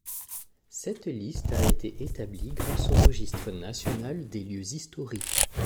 Cette liste a été établie grâce au Registre national des lieux historiques.